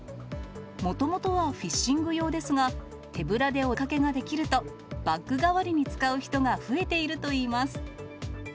もともとはフィッシング用ですが、手ぶらでお出かけができると、バッグ代わりに使う人が増えているといいます。